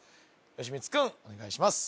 吉光くんお願いします